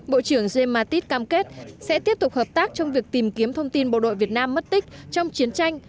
bộ trưởng james mattis cam kết sẽ tiếp tục hợp tác trong việc tìm kiếm thông tin bộ đội việt nam mất tích trong chiến tranh